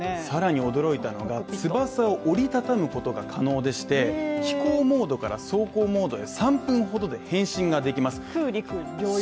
更に驚いたのが翼を折り畳むことが可能でして飛行モードから走行モードへ３分ほどで変身できます。